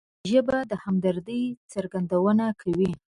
ژبه د همدردۍ څرګندونه کوي